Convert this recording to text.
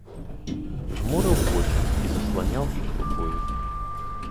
Жмурыў вочы і засланяў іх рукою.